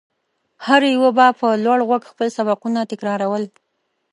هر يوه به په لوړ غږ خپل سبقونه تکرارول.